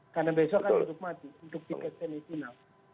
karena besok kan untuk mati untuk tiket semisional